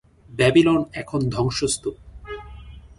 Babylon এখন ধ্বংস স্তুপ।